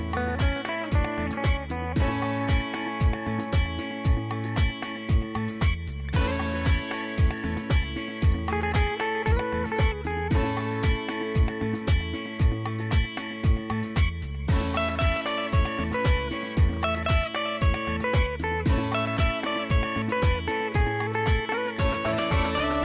โปรดติดตามตอนต่อไป